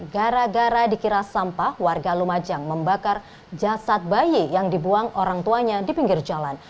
gara gara dikira sampah warga lumajang membakar jasad bayi yang dibuang orang tuanya di pinggir jalan